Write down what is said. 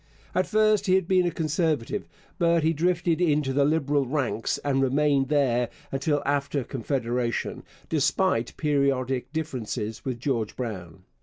At first he had been a Conservative, but he drifted into the Liberal ranks and remained there until after Confederation, despite periodic differences with George Brown.